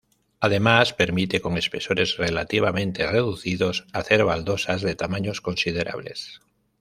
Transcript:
Además permite, con espesores relativamente reducidos, hacer baldosas de tamaños considerables.